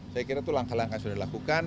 saya kira itu langkah langkah sudah dilakukan